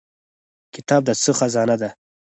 کتاب د څه خزانه ده؟